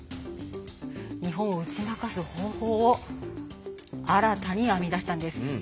日本を打ち負かす方法を新たに編み出したんです。